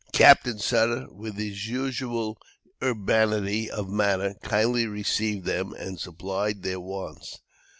Captain Sutter, with his usual urbanity of manner, kindly received them, and supplied their wants.